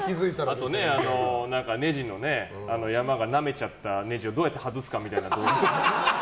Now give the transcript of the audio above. あと、ネジの山がなめちゃったネジをどうやって外すかみたいな動画。